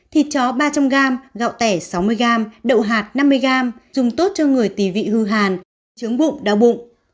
thịt chó ba trăm linh g gạo tẻ sáu mươi g đậu hạt năm mươi g dùng tốt cho người tì vị hư hàn trướng bụng đau bụng